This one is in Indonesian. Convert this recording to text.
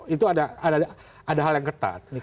itu ada hal yang ketat